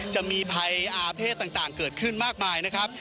จะมีภัยอาเพศต่างเกิดขึ้นมากมายนะครับ